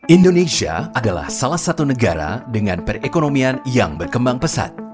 indonesia adalah salah satu negara dengan perekonomian yang berkembang pesat